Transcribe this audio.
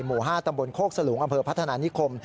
หมู่๕ตำบลโคกสลุงอำเภอพัฒนานิคม